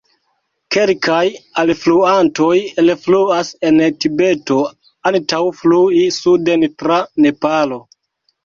Kelkaj alfluantoj elfluas en Tibeto antaŭ flui suden tra Nepalo.